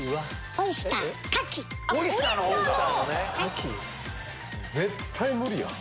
オイスターの方⁉絶対無理やん。